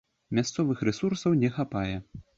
Мясцовых рэсурсаў не хапае.